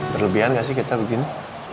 berlebihan nggak sih kita begini